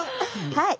はい。